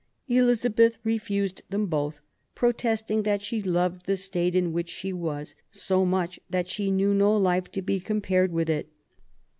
Elizabeth refused them both, protesting that she loved the state in 'which she was so much that she knew no life to be ^compared with it.